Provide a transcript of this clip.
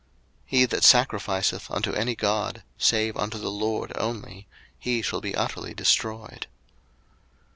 02:022:020 He that sacrificeth unto any god, save unto the LORD only, he shall be utterly destroyed.